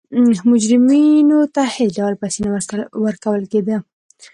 مجرمینو ته هېڅ ډول پیسې نه ورکول کېده.